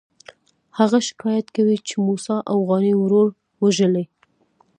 هغه شکایت کوي چې موسی اوغاني ورور وژلی.